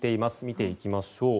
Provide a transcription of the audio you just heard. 見ていきましょう。